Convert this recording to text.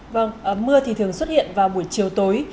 vâng mưa thì thường xuất hiện vào buổi chiều tối